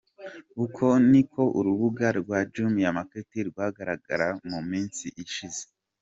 Uko ni ko urubuga rwa Jumia Market rwagaragaraga mu minsi ishize.